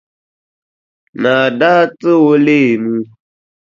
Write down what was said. Naa daa ti o leemu.